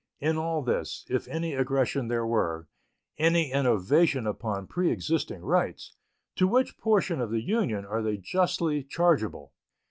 In all this, if any aggression there were, any innovation upon preexisting rights, to which portion of the Union are they justly chargeable?